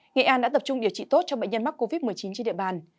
nghệ an đã tập trung điều trị tốt cho bệnh nhân mắc covid một mươi chín trên địa bàn